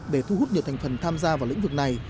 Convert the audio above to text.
để thu hút nhiều thành phần tham gia vào lĩnh vực này